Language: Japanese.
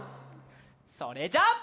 それじゃあ。